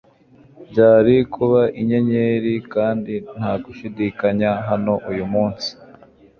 Byari kuba inyenyeri kandi nta gushidikanya hano uyu munsi